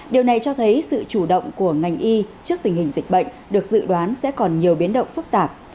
điều này cho thấy sự chủ động của ngành y trước tình hình dịch bệnh được dự đoán sẽ còn nhiều biến động phức tạp